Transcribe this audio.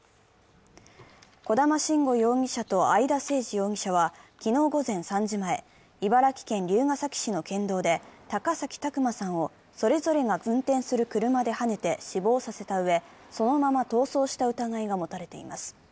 小玉慎悟容疑者と会田誠司容疑者は昨日午前３時前、茨城県龍ケ崎市の県道で高崎拓磨さんをそれぞれが運転する車ではねて死亡させたうえ、そのまま逃走した疑いが持たれています。